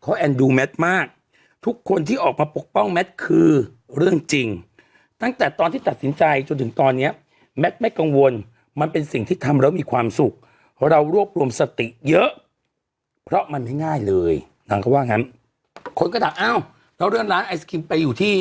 เพราะมันไม่ง่ายเลยนางก็ว่าอย่างนั้นคนก็ถามอ้าวเราเริ่มร้านไอศกรีมไปอยู่ที่